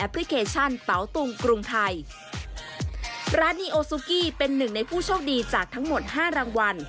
เป็นหนึ่งในผู้โชคดีจากทั้งหมด๕รางวัล